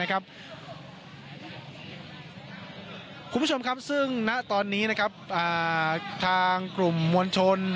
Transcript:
คุณผู้ชมครับซึ่งณตอนนี้ทางกลุ่มมวลชน